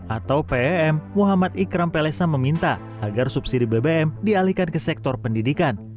atau pem muhammad ikram pelesa meminta agar subsidi bbm dialihkan ke sektor pendidikan